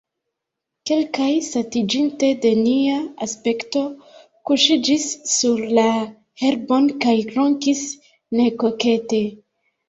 Kelkaj, satiĝinte de nia aspekto, kuŝiĝis sur la herbon kaj ronkis nekokete.